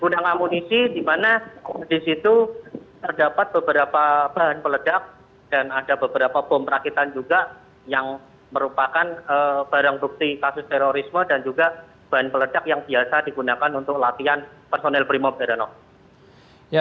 gudang amunisi di mana di situ terdapat beberapa bahan peledak dan ada beberapa bom rakitan juga yang merupakan barang bukti kasus terorisme dan juga bahan peledak yang biasa digunakan untuk latihan personel brimob heranov